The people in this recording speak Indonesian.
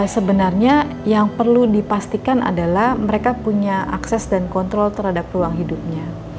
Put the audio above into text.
sebenarnya yang perlu dipastikan adalah mereka punya akses dan kontrol terhadap ruang hidupnya